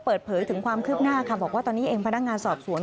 เปิดเผยถึงความคืบหน้าค่ะบอกว่าตอนนี้เองพนักงานสอบสวน